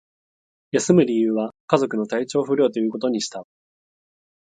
休む理由は、家族の体調不良ということにした